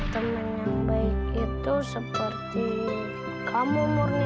teman yang baik itu seperti kamu murni